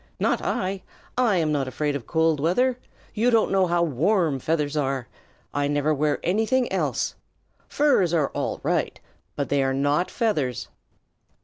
"Not I! I'm not afraid of cold weather. You don't know how warm feathers are. I never wear anything else. Furs are all right, but they are not feathers."